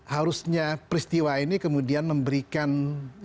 harusnya peristiwa ini kemudian memberikan ya atensi